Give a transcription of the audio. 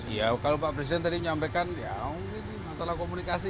ya kalau pak presiden tadi menyampaikan masalah komunikasi